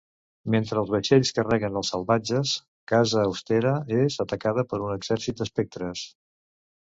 Mentre els vaixells carreguen els salvatges, Casa Austera és atacada per un exèrcit d'espectres.